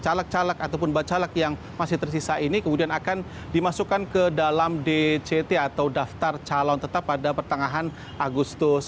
nah dua puluh sulut calek ataupun bakal calek penduduk yang masih tersisa ini kemudian akan dimasukkan ke dalam dct atau daftar calon tetap pada pertengahan agustus